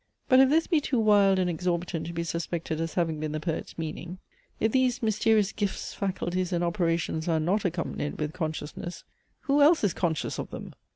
But if this be too wild and exorbitant to be suspected as having been the poet's meaning; if these mysterious gifts, faculties, and operations, are not accompanied with consciousness; who else is conscious of them?